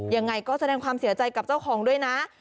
ยังไงก็แสดงความเสียใจกับเจ้าของด้วยนะ